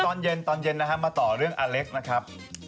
ตอนเย็นตอนเย็นนะครับมาต่อเรื่องอเล็กนะครับ